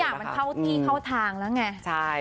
ทุกอย่างเข้าที่เข้าทางแล้วไง